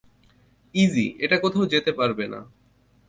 Easy - এটা কোথাও যেতে পারবে না।